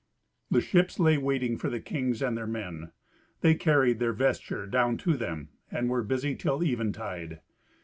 The ships lay waiting for the kings and their men. They carried their vesture down to them, and were busy till eventide.